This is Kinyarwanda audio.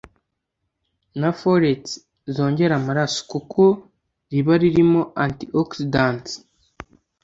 na folates zongera amaraso) kuko riba ririmo anti-oxidants